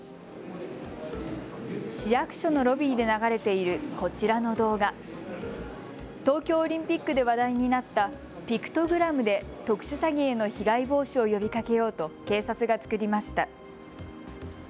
市役所のロビーで流れているこちらの動画、東京オリンピックで話題になったピクトグラムで特殊詐欺への被害防止を呼びかけようと警察が作りました。